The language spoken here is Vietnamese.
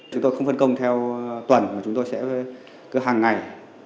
chúng tôi không phân công theo tuần mà chúng tôi sẽ cứ hàng ngày